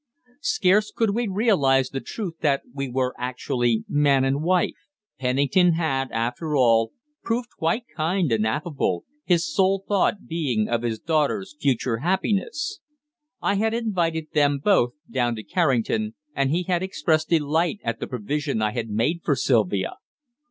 Scarce could we realize the truth that we were actually man and wife. Pennington had, after all, proved quite kind and affable, his sole thought being of his daughter's future happiness. I had invited them both down to Carrington, and he had expressed delight at the provision I had made for Sylvia.